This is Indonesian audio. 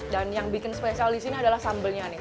dan yang bikin spesial disini adalah sambelnya nih